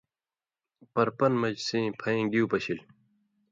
پرہ پن٘دہۡ مژ سیں پھئیں گِیُو پشِلیۡ۔